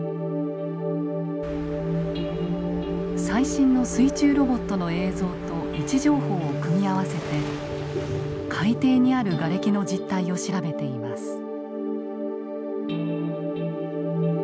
最新の水中ロボットの映像と位置情報を組み合わせて海底にあるガレキの実態を調べています。